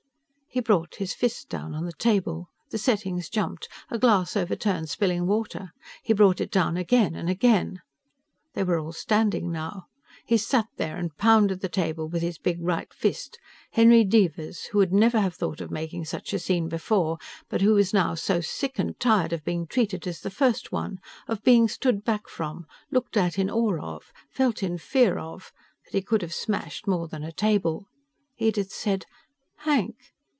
He brought his fist down on the table. The settings jumped; a glass overturned, spilling water. He brought it down again and again. They were all standing now. He sat there and pounded the table with his big right fist Henry Devers, who would never have thought of making such a scene before, but who was now so sick and tired of being treated as the First One, of being stood back from, looked at in awe of, felt in fear of, that he could have smashed more than a table. Edith said, "Hank!"